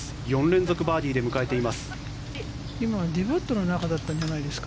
４連続バーディーで迎えています。